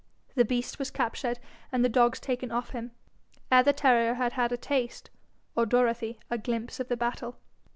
The beast was captured, and the dogs taken off him, ere the terrier had had a taste or Dorothy a glimpse of the battle.